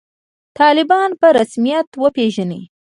طالبان په رسمیت وپېژنئ